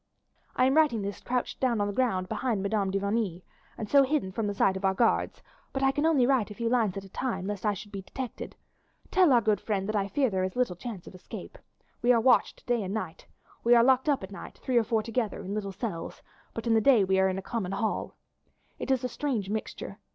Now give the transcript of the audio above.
I am writing this crouched down on the ground behind Madame de Vigny, and so hidden from the sight of our guards, but I can only write a few lines at a time, lest I should be detected. Tell our good friend that I fear there is little chance of escape. We are watched night and day. We are locked up at night, three or four together, in little cells, but in the day we are in a common hall. "It is a strange mixture.